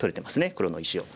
黒の石を。